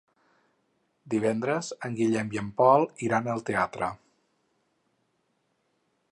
Divendres en Guillem i en Pol iran al teatre.